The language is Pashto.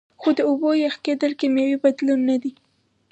خو د اوبو یخ کیدل کیمیاوي بدلون نه دی